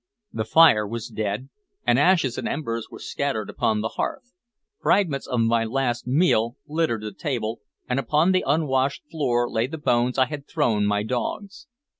The fire was dead, and ashes and embers were scattered upon the hearth; fragments of my last meal littered the table, and upon the unwashed floor lay the bones I had thrown my dogs.